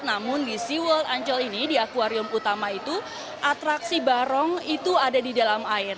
namun di seaworld ancol ini di aquarium utama itu atraksi barong itu ada di dalam air